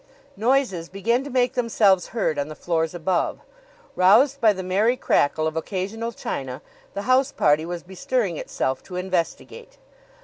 Noises began to make themselves heard on the floors above. Roused by the merry crackle of occasional china, the house party was bestirring itself to investigate.